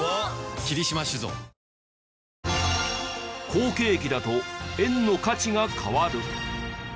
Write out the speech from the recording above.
好景気だと円の価値が変わる。